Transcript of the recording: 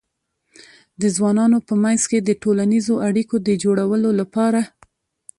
د ځوانانو په منځ کې د ټولنیزو اړیکو د جوړولو لپاره